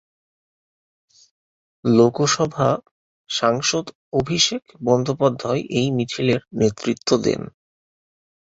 লোকসভা সাংসদ অভিষেক বন্দ্যোপাধ্যায় এই মিছিলের নেতৃত্ব দেন।